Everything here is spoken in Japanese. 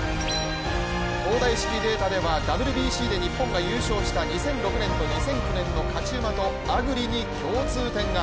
東大式データではＷＢＣで日本が優勝した２００６年と２００９年の勝ち馬とアグリに共通点が。